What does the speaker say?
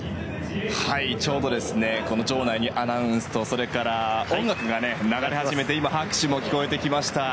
ちょうど場内にアナウンスとそれから音楽が流れ始めて今、拍手も聞こえてきました。